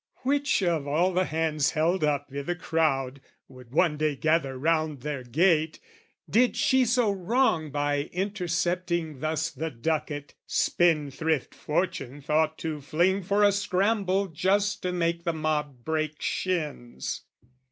Which of all the hands held up I' the crowd, would one day gather round their gate, Did she so wrong by intercepting thus The ducat, spendthrift fortune thought to fling For a scramble just to make the mob break shins?